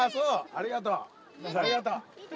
ありがとう。